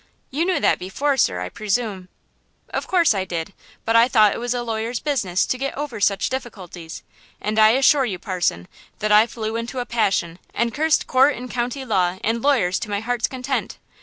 "You knew that before, sir, I presume." "Of course I did; but I thought it was a lawyer's business to get over such difficulties; and I assure you, parson, that I flew into a passion and cursed court and county law and lawyers to my heart's content.